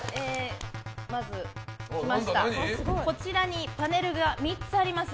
こちらにパネルが３つあります。